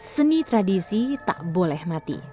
seni tradisi tak boleh mati